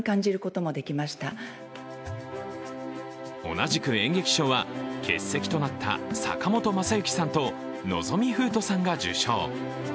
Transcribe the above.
同じく演劇賞は欠席となった坂本昌行さんと望海風斗さんが受賞。